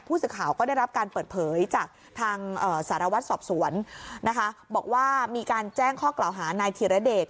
ผู้สื่อข่าวก็ได้รับการเปิดเผยจากทางสารวัตรสอบสวนนะคะบอกว่ามีการแจ้งข้อกล่าวหานายธิรเดช